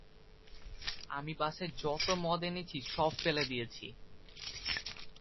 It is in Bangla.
আমি বাসায় যত মদ এনেছি সব ফেলে দিয়েছি।